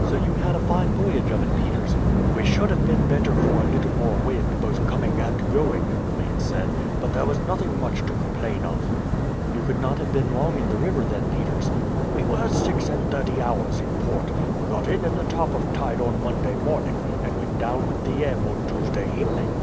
"So you had a fine voyage of it, Peters?" "We should have been better for a little more wind, both coming and going," the mate said; "but there was nothing much to complain of." "You could not have been long in the river then, Peters?" "We were six and thirty hours in port. We got in at the top of tide on Monday morning, and went down with the ebb on Tuesday evening.